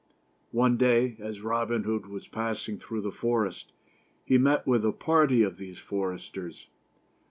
One day, as Robin Hood was pass ing through the forest, he met with a party of these foresters.